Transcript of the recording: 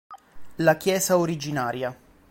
La chiesa originaria.